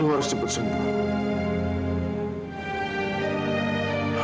lo harus cepat sembuh